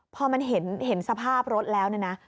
พอมันเห็นสภาพรถแล้ว